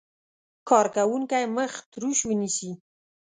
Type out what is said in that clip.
کارکوونکی مخ تروش ونیسي.